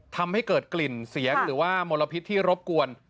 ทำให้เกิดกลิ่นเสียงหรือว่ามลพิษที่รบกวน